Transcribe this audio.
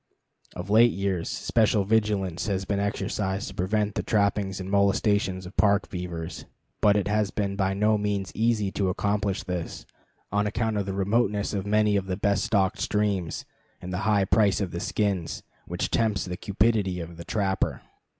Of late years, special vigilance has been exercised to prevent the trapping and molestation of the Park beaver, but it has been by no means easy to accomplish this, on account of the remoteness of many of the best stocked streams, and the high price of the skins, which tempts the cupidity of the trapper.